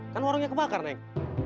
kan warungnya kebakar neng